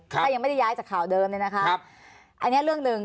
ถ้ายังไม่ได้ย้ายจากข่าวเดิมเนี่ยนะคะอันนี้เรื่องหนึ่ง